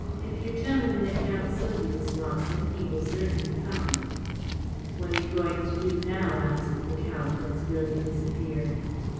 If you tell him that Count Sylvius wants him he will certainly come." " What are you going to do now ?" asked the Count, as Billy disappeared.